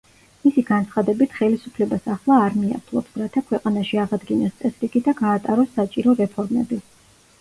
მისი განცხადებით „ხელისუფლებას ახლა არმია ფლობს, რათა ქვეყანაში აღადგინოს წესრიგი და გაატაროს საჭირო რეფორმები“.